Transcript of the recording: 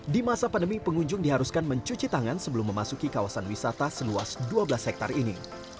di masa pandemi pengunjung diharuskan mencuci tangan sebelum memasuki kawasan wisata seluas dua belas hektare ini